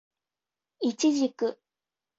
イチジク